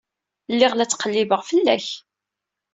Lliɣ la ttqellibeɣ fell-ak.